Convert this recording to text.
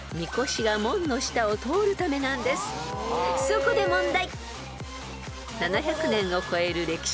［そこで問題］